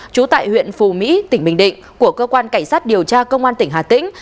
trú tại huyện phù mỹ tỉnh bình định của cơ quan cảnh sát điều tra công an tỉnh hà tĩnh